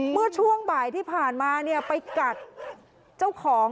เมื่อช่วงบ่ายที่ผ่านมาไปกัดเจ้าของ